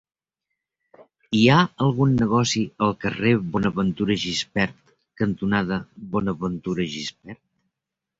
Hi ha algun negoci al carrer Bonaventura Gispert cantonada Bonaventura Gispert?